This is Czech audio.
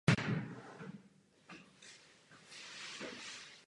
Zlepší to regionální spolupráci a přispěje k dobrým sousedským vztahům.